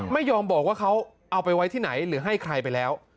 ไม่ยอมบอกว่าเขาเอาไปไว้ที่ไหนหรือให้ใครไปแล้ว